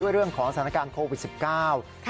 ด้วยเรื่องของสถานการณ์โควิด๑๙